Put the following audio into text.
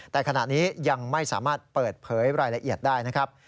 แต่ขณะนี้ยังไม่สามารถเปิดเผยรายละเอียดได้นะครับ